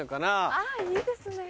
あいいですね。